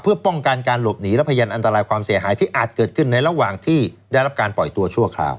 เพื่อป้องกันการหลบหนีและพยานอันตรายความเสียหายที่อาจเกิดขึ้นในระหว่างที่ได้รับการปล่อยตัวชั่วคราว